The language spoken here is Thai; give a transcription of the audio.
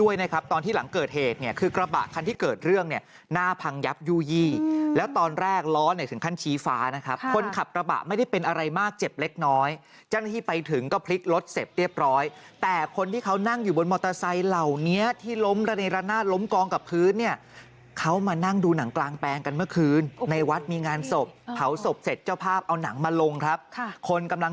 ยับยู่ยี่แล้วตอนแรกล้อถึงขั้นชี้ฟ้านะครับคนขับกระบะไม่ได้เป็นอะไรมากเจ็บเล็กน้อยจังที่ไปถึงก็พลิกรถเสร็จเรียบร้อยแต่คนที่เขานั่งอยู่บนมอเตอร์ไซค์เหล่านี้ที่ล้มในระนาดล้มกองกับพื้นเนี่ยเขามานั่งดูหนังกลางแปลงกันเมื่อคืนในวัดมีงานศพเผาศพเสร็จเจ้าภาพเอาหนังมาลงครับคนกำลัง